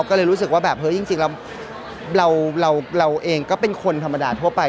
ก็เลยรู้สึกว่าแบบเฮ้ยจริงเราเองก็เป็นคนธรรมดาทั่วไป